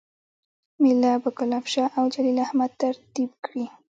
میله به ګلاب شاه اوجلیل احمد ترتیب کړي